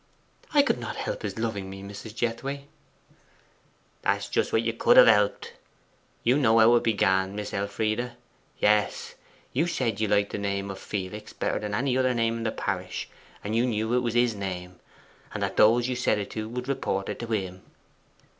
'I could not help his loving me, Mrs. Jethway!' 'That's just what you could have helped. You know how it began, Miss Elfride. Yes: you said you liked the name of Felix better than any other name in the parish, and you knew it was his name, and that those you said it to would report it to him.